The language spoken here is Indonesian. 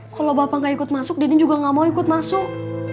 kalau bapak gak ikut masuk denny juga gak mau ikut masuk